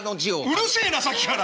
うるせえなさっきから！